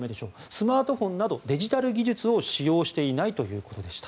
スマートフォンなどデジタル技術を使用していないということでした。